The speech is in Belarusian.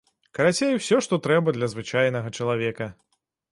Карацей усё, што трэба для звычайнага чалавека.